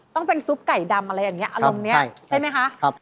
ต้องเป็นซุปไก่ดำอะไรอย่างนี้อารมณ์นี้ใช่ไหมคะ